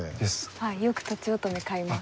はいよく「とちおとめ」買います。